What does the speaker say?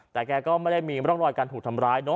แต่แกก็ไม่ได้มีร่องรอยการถูกทำร้ายเนอ